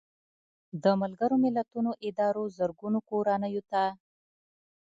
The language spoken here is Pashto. د ملګرو ملتونو ادارو زرګونو کورنیو ته